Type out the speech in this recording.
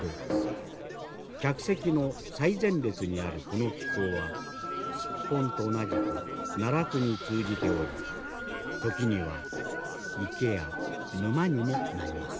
客席の最前列にあるこの機構はスッポンと同じく奈落に通じており時には池や沼にもなります。